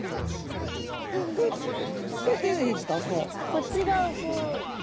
こっち側をこう。